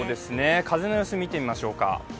風の様子、見てみましょうか。